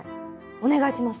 お願いします。